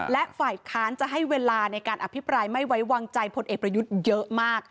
และฝ่ายค้านจะให้เวลาในการอภิปรายไม่ไว้วางใจพลเอกประยุทธ์เยอะมาก